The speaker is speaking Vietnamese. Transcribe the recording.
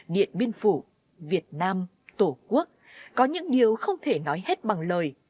điện biên phủ việt nam tổ quốc có những điều không thể nói hết bằng lời